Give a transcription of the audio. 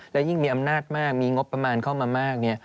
และยิ่งมีอำนาจมากมีงบประมาณเข้ามามากเนี่ย